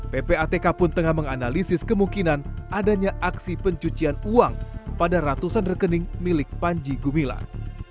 ppatk pun tengah menganalisis kemungkinan adanya aksi pencucian uang pada ratusan rekening milik panji gumilang